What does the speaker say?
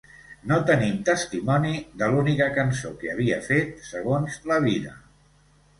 No tenim testimoni de l'única cançó que havia fet segons la vida.